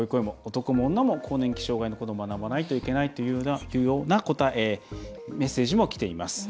「男も女も更年期障害のことを学ばないといけない」というようなメッセージもきています。